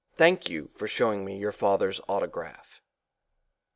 Thank you for showing me your father's autograph.